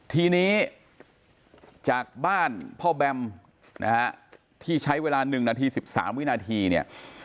ทีนี้จากบ้านพ่อแบมนะฮะที่ใช้เวลา๑นาที๑๓วินาทีเนี่ย